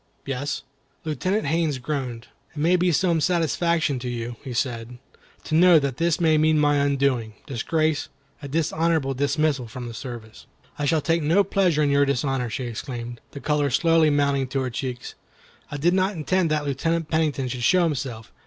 "Yes." Lieutenant Haines groaned. "It may be some satisfaction to you," he said, "to know that this may mean my undoing, disgrace, a dishonorable dismissal from the service." "I shall take no pleasure in your dishonor," she exclaimed, the color slowly mounting to her cheeks. "I did not intend that Lieutenant Pennington should show himself.